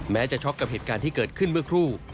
จะช็อกกับเหตุการณ์ที่เกิดขึ้นเมื่อครู่